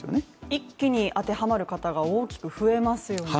一気に当てはまる方が大きく増えますよね。